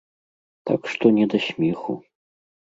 Так што не да смеху.